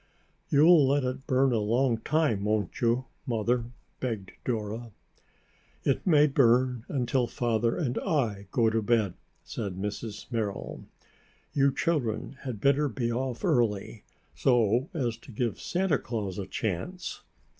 "You'll let it burn a long time, won't you, Mother?" begged Dora. "It may burn until Father and I go to bed," said Mrs. Merrill. "You children had better be off early, so as to give Santa Claus a chance."